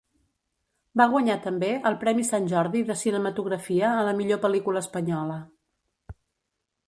Va guanyar també el Premi Sant Jordi de Cinematografia a la millor pel·lícula espanyola.